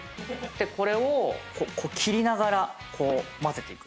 これを切りながら交ぜていく。